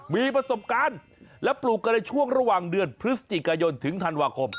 มีประสบการณ์และปลูกกันในช่วงระหว่างเดือนพฤศจิกายนถึงธันวาคม